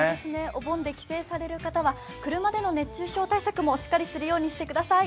お盆で帰省される方は車での熱中症対策にしっかりするようにしてください。